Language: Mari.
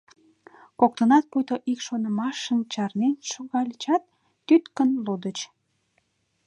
Коктынат пуйто ик шонымашын чарнен шогальычат, тӱткын лудыч: